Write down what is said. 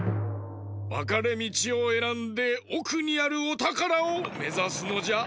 わかれみちをえらんでおくにあるおたからをめざすのじゃ。